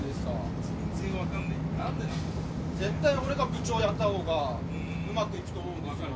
絶対俺が部長やった方がうまくいくと思うんですよ。